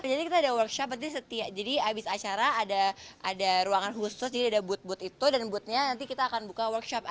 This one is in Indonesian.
jadi kita ada workshop jadi habis acara ada ruangan khusus jadi ada booth booth itu dan boothnya nanti kita akan buka workshopnya